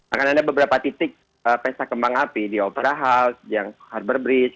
akan ada beberapa titik pesta kembang api di opera house yang harbor bridge